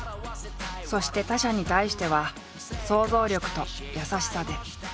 そして他者に対しては「想像力」と「優しさ」で。